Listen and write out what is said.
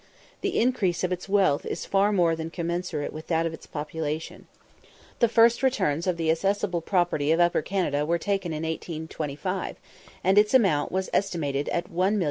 The increase of its wealth is far more than commensurate with that of its population. The first returns of the assessable property of Upper Canada were taken in 1825, and its amount was estimated at 1,854,965_l.